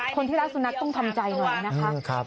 คนที่รักสุนัขต้องทำใจหน่อยนะคะ